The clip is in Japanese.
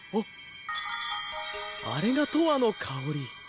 あれが「とわのかおり」。